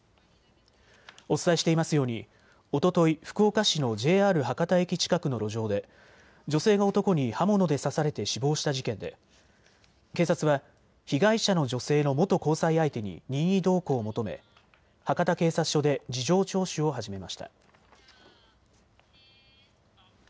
お伝えしていますようにおととい、福岡市のＪＲ博多駅近くの路上で女性が男に刃物で刺されて死亡した事件で警察は被害者の女性の元交際相手に任意同行を求め博多警察署で事情聴取を始めました。